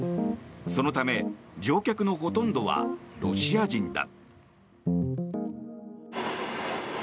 そのため乗客のほとんどはロシア人だ。